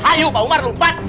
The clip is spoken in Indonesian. hayuu pak umar lompat